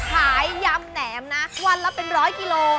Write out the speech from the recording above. ขายยำแหน่มนะวันละเป็น๑๐๐กิโล